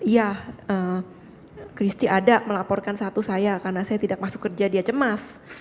ya christie ada melaporkan satu saya karena saya tidak masuk kerja dia cemas